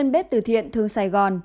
bếp từ thiện thương sài gòn